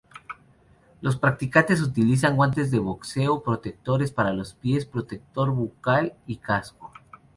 Los practicantes utilizan guantes de boxeo, protectores para los pies, protector bucal y casco.